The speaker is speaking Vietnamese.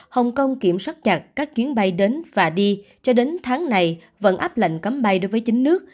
hồng kông kiểm soát chặt các chuyến bay đến và đi cho đến tháng này vẫn áp lệnh cấm bay đối với chín nước